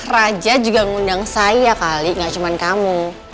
raja juga ngundang saya kali gak cuma kamu